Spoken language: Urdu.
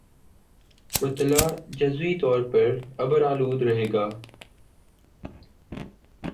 مطلع جزوی طور پر ابر آلود رہے گا